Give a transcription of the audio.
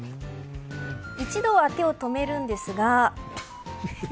一度は手を止めるんですが。